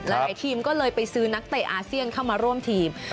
ทีมก็เลยไปซื้อนักเตะอาเซียนเข้ามาร่วมทีม